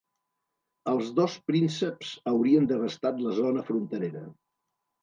Els dos prínceps haurien devastat la zona fronterera.